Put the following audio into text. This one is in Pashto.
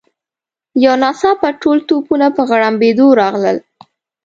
یو ناڅاپه ټول توپونه په غړمبېدو راغلل.